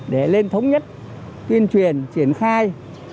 để lên thống nhất tuyên truyền triển khai